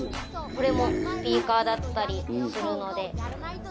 これもスピーカーだったりするので。